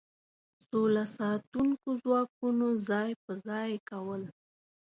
سوله ساتونکو ځواکونو ځای په ځای کول.